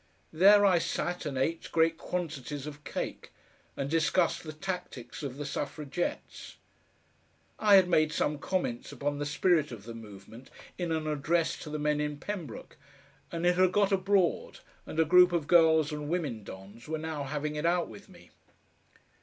There I sat and ate great quantities of cake, and discussed the tactics of the Suffragettes. I had made some comments upon the spirit of the movement in an address to the men in Pembroke, and it had got abroad, and a group of girls and women dons were now having it out with me.